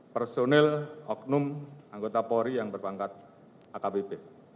personil oknum anggota polri yang berpangkat akbp